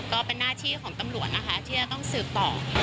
ก็เป็นหน้าที่ของตำรวจนะคะที่จะต้องสืบต่อ